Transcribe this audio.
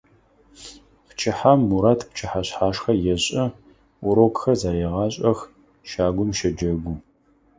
Пчыхьэм Мурат пчыхьэшъхьашхэ ешӏы, урокхэр зэрегъашӏэх, щагум щэджэгу.